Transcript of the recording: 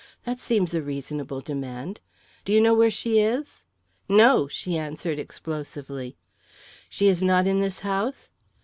That seems a reasonable demand. Do you know where she is?" "No!" she answered explosively. "She is not in this house?"